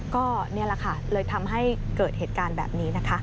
ก็นี่แหละค่ะเลยทำให้เกิดเหตุการณ์แบบนี้นะคะ